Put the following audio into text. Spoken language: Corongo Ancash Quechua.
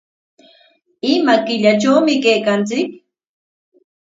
¿Ima killatrawmi kaykanchik?